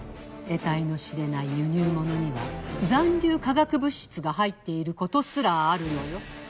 えたいの知れない輸入物には残留化学物質が入っていることすらあるのよ。